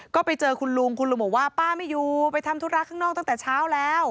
ก็ไปเจอคุณลุงคุณลุงบอกว่าป้าไม่อยู่ไปทำธุระข้างนอกตั้งแต่เช้าแล้ว